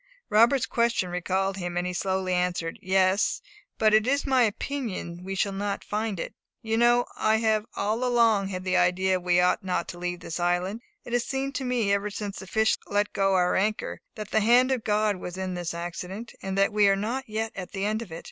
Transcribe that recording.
Robert's question recalled him, and he slowly answered, "Yes; but it is my opinion we shall not find it. You know I have all along had the idea that we ought not to leave this island. It has seemed to me, ever since the fish let go our anchor, that the hand of God was in this accident, and that we are not yet at the end of it.